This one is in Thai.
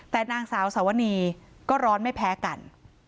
แต่นางสาวสวนีก็ร้อนไม่แพ้กัน